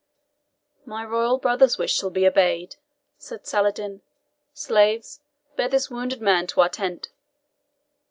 "My royal brother's wish shall be obeyed," said Saladin. "Slaves, bear this wounded man to our tent."